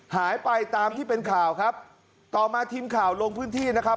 หายไปตามที่เป็นข่าวครับต่อมาทีมข่าวลงพื้นที่นะครับ